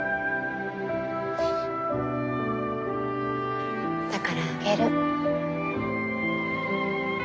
だからあげる。